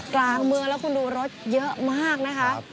กลางเมืองแล้วคุณดูรถเยอะมากนะคะ